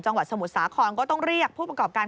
หนูตรงหนูตรงแล้วก็หนูที่ซ้าย